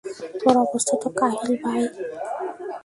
তোর অবস্থা তো কাহিল, ভাই!